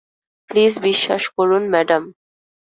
Please বিশ্বাস করুন, madam.